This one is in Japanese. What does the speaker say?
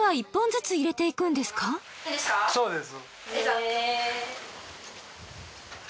そうです。